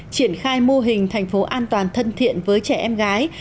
triển khai mô hình thành phố an toàn thân thiện với trẻ em gái